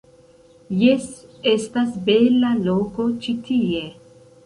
Jes, estas bela loko ĉi tie.